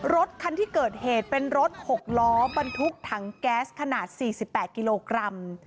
รถคันที่เกิดเหตุเป็นรถ๖ล้อบรรทุกถังแก๊สขนาด๔๘กิโลกรัม